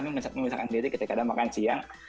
sebenarnya kami memisahkan diri ketika ada makan siang